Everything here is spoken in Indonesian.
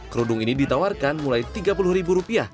kerudung ini ditawarkan mulai tiga puluh ribu rupiah